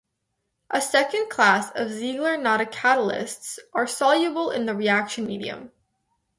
A second class of Ziegler-Natta catalysts are soluble in the reaction medium.